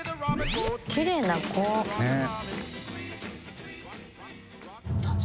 きれいな子。ねぇ。